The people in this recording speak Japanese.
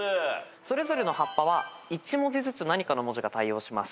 それぞれの葉っぱは１文字ずつ何かの文字が対応します。